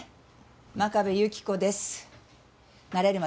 真壁有希子です。